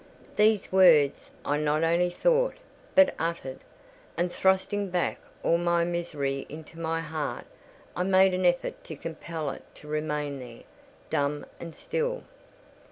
These words I not only thought, but uttered; and thrusting back all my misery into my heart, I made an effort to compel it to remain there—dumb and still.